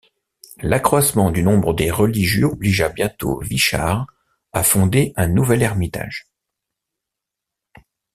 L’accroissement du nombre des religieux obligea bientôt Vichard à fonder un nouvel ermitage.